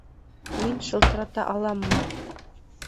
Мин шылтырата аламмы?